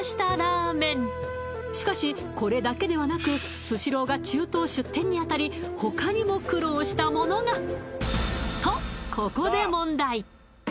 しかしこれだけではなくスシローが中東出店にあたり他にも苦労したものがとここで問題